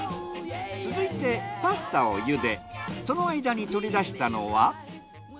続いてパスタをゆでその間に取り出したのは。